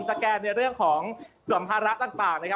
แกนในเรื่องของสัมภาระต่างนะครับ